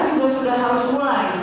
dan kita juga sudah harus mulai